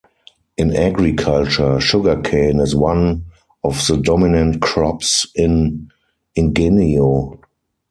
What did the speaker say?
In agriculture, sugar cane is one of the dominant crops in Ingenio.